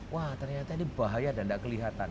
wah ternyata ini bahaya dan tidak kelihatan